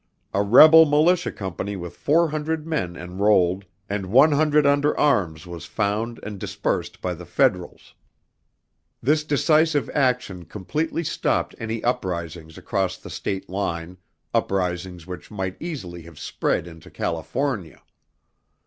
A rebel militia company with four hundred men enrolled and one hundred under arms was found and dispersed by the Federals. This decisive action completely stopped any uprisings across the state line, uprisings which might easily have spread into California.